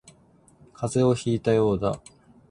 風邪をひいたようだ